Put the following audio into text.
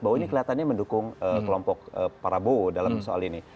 baunya kelihatannya mendukung kelompok prabowo dalam soal ini